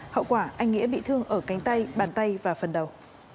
hậu quả anh nghĩa bị thương ở cánh tay bàn tay và phần đầu